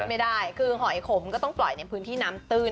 ไม่ได้คือหอยขมก็ต้องปล่อยในพื้นที่น้ำตื้น